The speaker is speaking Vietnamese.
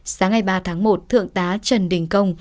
sáng ngày ba tháng một thượng tá trần đình công